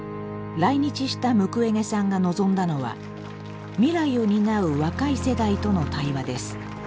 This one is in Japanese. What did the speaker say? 来日したムクウェゲさんが望んだのは未来を担う若い世代との対話です。